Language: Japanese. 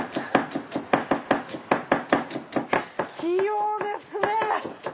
器用ですね。